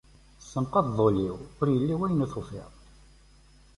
Tessenqadeḍ ul-iw, ur illi wayen i tufiḍ.